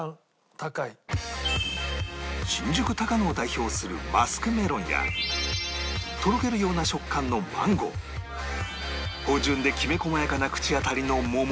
新宿高野を代表するマスクメロンやとろけるような食感のマンゴー芳醇でキメ細やかな口当たりの桃など